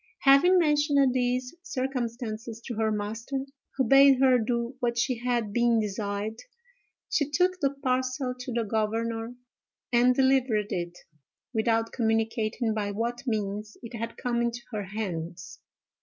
Having mentioned these circumstances to her master, who bade her do what she had been desired, she took the parcel to the governor and delivered it, without communicating by what means it had come into her hands.